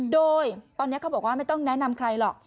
โดยตอนนี้เขาบอกว่าไม่ต้องแนะนำใครหรอก